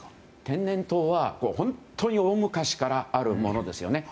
天然痘は本当に大昔からあるものですよね。